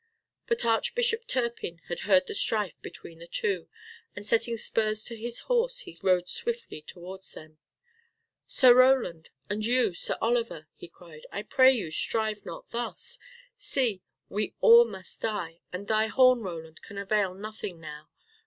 But Archbishop Turpin had heard the strife between the two, and setting spurs to his horse he rode swiftly towards them. "Sir Roland, and you, Sir Oliver," he cried, "I pray you strive not thus. See! we all must die, and thy horn, Roland, can avail nothing now.